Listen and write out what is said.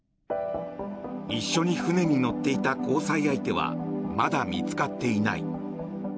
一緒に船に乗っていた交際相手はまだ見つかっていない。